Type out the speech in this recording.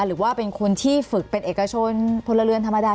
หรือว่าเป็นคนที่ฝึกเป็นเอกชนพลเรือนธรรมดา